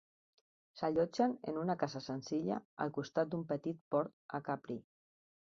S'allotgen en una casa senzilla al costat d'un petit port a Capri.